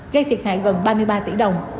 gây thiệt hại gần ba mươi ba tỷ đồng